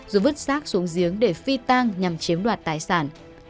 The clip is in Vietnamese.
rồi vứt xác xuống giếng để phi tăng nhằm chiếm đoạt tài sản